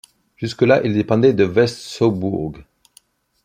Jusque-là, il dépendait de West-Souburg.